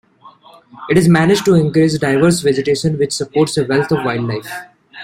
It is managed to encourage diverse vegetation which supports a wealth of wildlife.